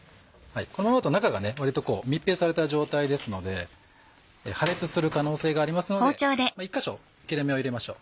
このままだと中が割と密閉された状態ですので破裂する可能性がありますので１か所切れ目を入れましょう。